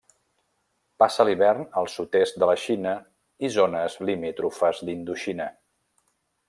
Passa l'hivern al sud-est de la Xina i zones limítrofes d'Indoxina.